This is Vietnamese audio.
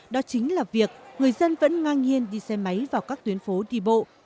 đó chính là việc người dân vẫn ngang nhiên đi xe máy vào các tuyến phố đi bộ